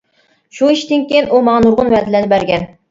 شۇ ئىشتىن كىيىن ئۇ ماڭا نۇرغۇن ۋەدىلەرنى بەرگەن.